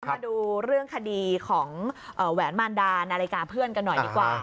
มาดูเรื่องคดีของแหวนมารดานาฬิกาเพื่อนกันหน่อยดีกว่า